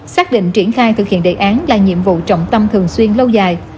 xác định triển khai thực hiện đề án là nhiệm vụ trọng tâm thường xuyên lâu dài